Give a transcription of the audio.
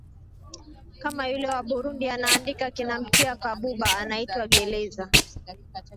kama yule wa burundi anandika kinamtia kabuba anaitwa geleza